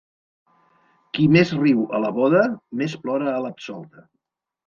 Qui més riu a la boda, més plora a l'absolta.